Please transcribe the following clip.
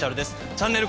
チャンネル